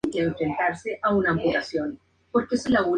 Es común referirse frecuentemente a ambas obras en conjunto.